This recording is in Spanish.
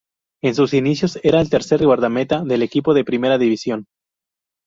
En sus inicios era el tercer guardameta del equipo de primera división.